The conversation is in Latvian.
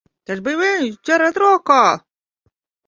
Tas bija viņš! Ķeriet rokā!